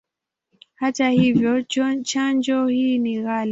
Hata hivyo, chanjo hii ni ghali.